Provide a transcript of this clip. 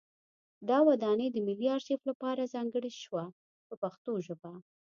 دا ودانۍ د ملي ارشیف لپاره ځانګړې شوه په پښتو ژبه.